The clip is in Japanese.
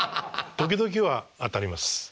時々は当たります。